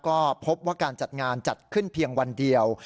ก็พบว่าการจัดงานจัดขึ้นเพียงวันเดียว